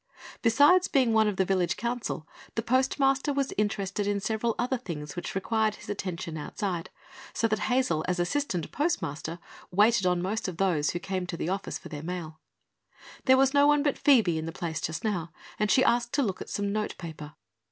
Besides being one of the village council the postmaster was interested in several other things which required his attention outside, so that Hazel as assistant postmaster waited on most of those who came to the office for their mail. There was no one but Phoebe in the place just now and she asked to look at some notepaper.